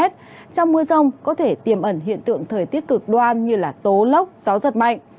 trong mưa rông có thể tiềm ẩn hiện tượng thời tiết cực đoan như tố lốc gió giật mạnh